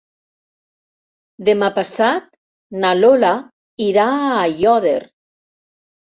Demà passat na Lola irà a Aiòder.